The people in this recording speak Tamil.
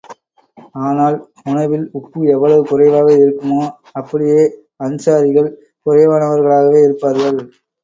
ஆனால், உணவில் உப்பு எவ்வளவு குறைவாக இருக்குமோ, அப்படியே அன்ஸாரிகள் குறைவானவர்களாகவே இருப்பார்கள்.